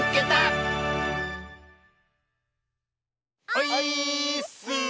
オイーッス！